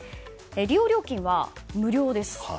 利用料金は無料です。